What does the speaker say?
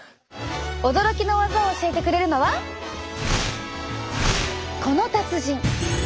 驚きの技を教えてくれるのはこの達人。